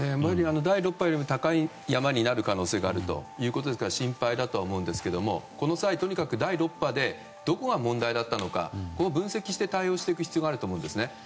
第６波より高い山になると思われるので心配だと思うんですがこの際、とにかく第６波でどこが問題だったのか分析して対応していく必要があると思うんですね。